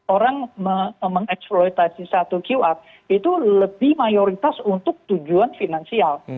orang mengeksploitasi satu qr itu lebih mayoritas untuk tujuan finansial